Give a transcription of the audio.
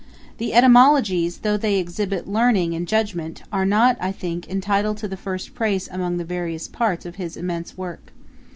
The etymologies, though they exhibit learning and judgement, are not, I think, entitled to the first praise amongst the various parts of this immense work.